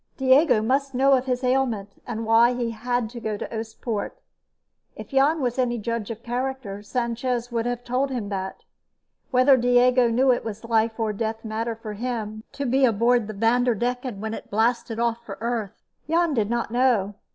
Diego must know of his ailment, and why he had to go to Oostpoort. If Jan was any judge of character, Sanchez would have told him that. Whether Diego knew it was a life or death matter for him to be aboard the Vanderdecken when it blasted off for Earth, Jan did not know.